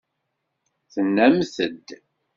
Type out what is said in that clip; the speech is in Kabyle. Tennamt-d.